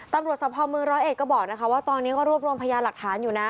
ตำรวจสภาพเมืองร้อยเอ็ดก็บอกนะคะว่าตอนนี้ก็รวบรวมพยานหลักฐานอยู่นะ